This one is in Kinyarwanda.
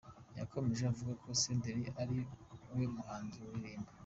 Yakomeje avuga ko Senderi ari we muhanzi uririmba.